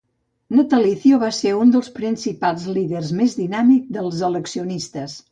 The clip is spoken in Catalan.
Natalicio va ser un dels principals líders més dinàmics dels "eleccionistes".